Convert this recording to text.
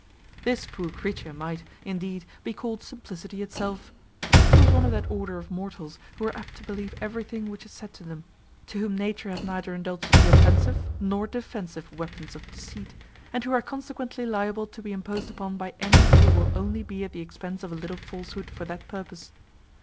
This poor creature might, indeed, be called simplicity itself. She was one of that order of mortals who are apt to believe everything which is said to them; to whom nature hath neither indulged the offensive nor defensive weapons of deceit, and who are consequently liable to be imposed upon by any one who will only be at the expense of a little falshood for that purpose.